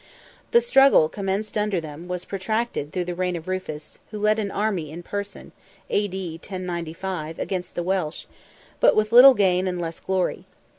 The struggle, commenced under them, was protracted through the reign of Rufus, who led an army in person (A.D. 1095) against the Welsh, but with little gain and less glory.